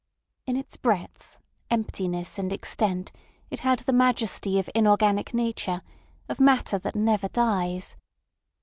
In its breadth, emptiness, and extent it had the majesty of inorganic nature, of matter that never dies.